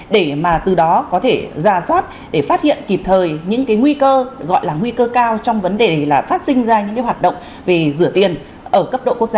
để mà từ đó có thể giả soát để phát hiện kịp thời những nguy cơ gọi là nguy cơ cao trong vấn đề là phát sinh ra những hoạt động về rửa tiền ở cấp độ quốc gia